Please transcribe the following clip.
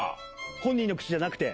本人の口じゃなくて？